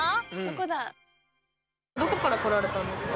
どこから来られたんですか？